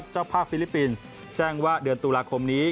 เจ้าภาพฟิลิปปินส์แจ้งว่าเดือนตุลาคมนี้